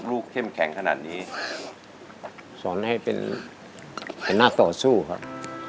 เข้มแข็งขนาดนี้สอนให้เป็นหัวหน้าต่อสู้ครับ